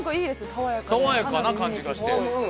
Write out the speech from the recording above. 爽やかな感じがして。